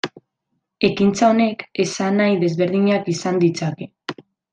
Ekintza honek esanahi desberdinak izan ditzake.